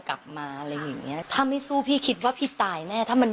กลับมาอะไรอย่างเงี้ยถ้าไม่สู้พี่คิดว่าพี่ตายแน่ถ้ามัน